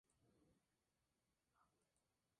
Está en el primer cuarto desde la entrada de ormuz al golfo.